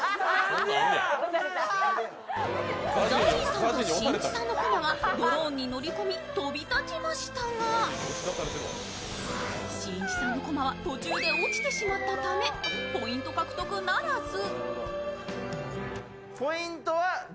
ＺＡＺＹさんとしんいちさんのコマはドローンに乗り込み飛び立ちましたがしんいちさんのコマは途中で落ちてしまったためポイント獲得ならず。